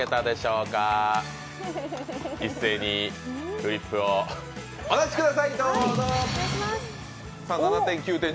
一斉にフリップをお出しください、どうぞ。